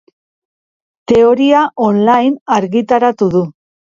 Teoria online argitaratu du.